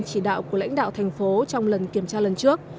chỉ đạo của lãnh đạo thành phố trong lần kiểm tra lần trước